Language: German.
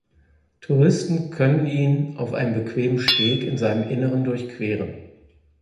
Touristen können ihn auf einem bequemen Steg in seinem Inneren durchqueren.